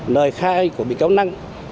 lời khai của bị cáo năng